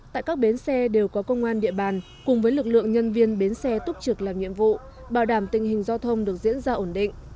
tại các bến xe đều có công an địa bàn cùng với lực lượng nhân viên bến xe túc trực làm nhiệm vụ bảo đảm tình hình giao thông được diễn ra ổn định